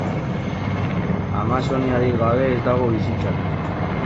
Amazoniarik gabe ez dago bizitzarik.